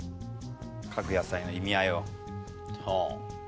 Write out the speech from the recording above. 各野菜の意味合いを。